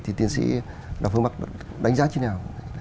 thì tiến sĩ đào phương bắc đánh giá như thế nào